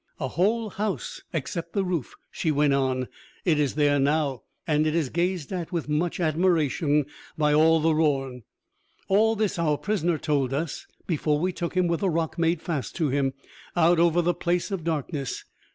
"A whole house, except the roof," she went on. "It is there now, and it is gazed at with much admiration by all the Rorn. All this our prisoner told us before we took him, with a rock made fast to him, out over the Place of Darkness.